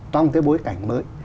trong cái bối cảnh mới